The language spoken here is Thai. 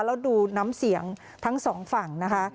แล้วดูน้ำเสียงทั้งสองฝั่งนะคะ